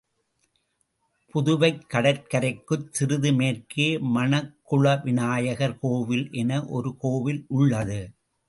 புதுவைக் கடற்கரைக்குச் சிறிது மேற்கே மணக்குள விநாயகர் கோவில் என ஒரு கோவில் உள்ளது.